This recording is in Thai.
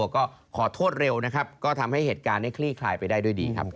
ก็ขอโทษเร็วนะครับก็ทำให้เหตุการณ์นี้คลี่คลายไปได้ด้วยดีครับ